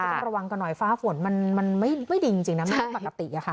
ต้องระวังกันหน่อยฟ้าฝนมันไม่ดีจริงนะมันไม่ปกติอะค่ะ